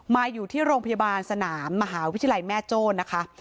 มาอยู่ที่โรงพยาบาลสนามมหาวิทยาลัยแม่โจ้นะคะ